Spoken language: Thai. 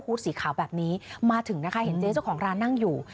สีขาวแบบนี้มาถึงนะคะเห็นเจ๊เจ้าของร้านนั่งอยู่